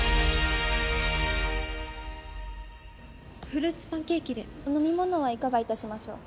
フルーツパンケーキでお飲み物はいかがいたしましょう？